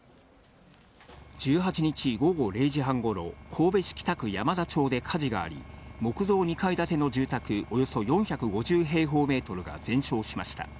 １８日午後０時半ごろ、神戸市北区山田町で火事があり、木造２階建ての住宅およそ４５０平方メートルが全焼しました。